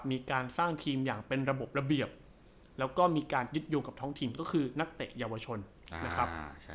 มีการสร้างทีมอย่างเป็นระบบระเบียบแล้วก็มีการยึดโยงกับท้องถิ่นก็คือนักเตะเยาวชนนะครับ